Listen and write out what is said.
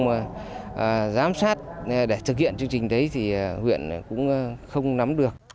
mà giám sát để thực hiện chương trình đấy thì huyện cũng không nắm được